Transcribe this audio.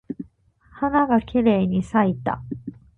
花がきれいに咲いた。